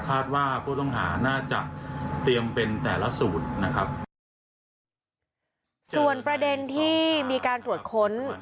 คาดว่าผู้ต้องหาน่าจะเตรียมเป็นแต่ละสูตรนะครับส่วนประเด็นที่มีการตรวจค้น